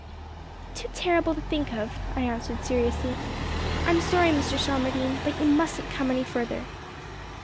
"Too terrible to think of," I answered seriously. "I'm sorry, Mr. Shelmardine, but you mustn't come any further."